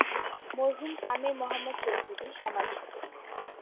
মরহুম আমির মোহাম্মদ চৌধুরীঃ-সমাজ সেবক।